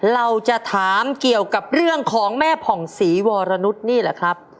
เราจะถามเกี่ยวกับเรื่องของแม่ผ่องศรีวรนุษย์นี่แหละครับ